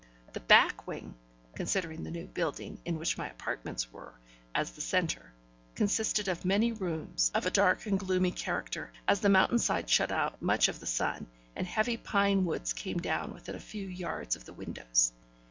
The back wing (considering the new building, in which my apartments were, as the centre) consisted of many rooms, of a dark and gloomy character, as the mountain side shut out much of the sun, and heavy pine woods came down within a few yards of the windows.